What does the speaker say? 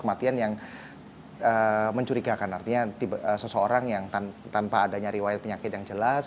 kematian yang mencurigakan artinya seseorang yang tanpa adanya riwayat penyakit yang jelas